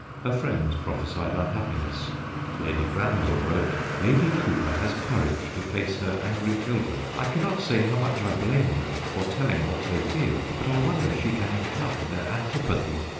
Her friends prophesied unhappiness. Lady Granville wrote :' Lady Cowper has courage to face her angry children. I cannot say how much I blame them for telling what they feel, but I wonder she can encounter their antipathy.